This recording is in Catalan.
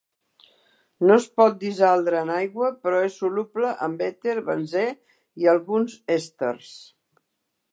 No es pot dissoldre en aigua, però és soluble en èter, benzè i alguns èsters.